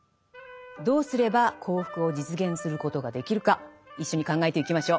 どうすれば幸福を実現することができるか一緒に考えてゆきましょう。